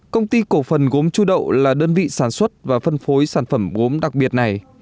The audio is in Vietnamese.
công ty cổ phần gốm chu đậu là đơn vị sản xuất và phân phối sản phẩm gốm đặc biệt này